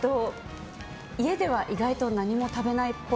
家では意外と何も食べないっぽい。